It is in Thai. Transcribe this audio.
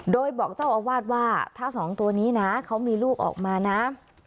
โดยบอกเจ้าอาวาสว่าถ้าสองตัวนี้นะเขามีลูกออกมานะ